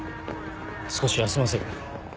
少し休ませる。